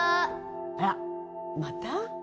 あらまた？